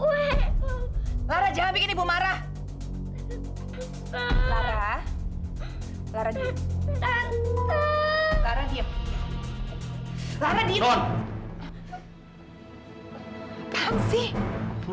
lera gak mau boneka